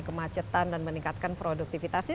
kemacetan dan meningkatkan produktivitasnya